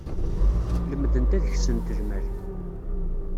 Lemdent ad ksent lmal.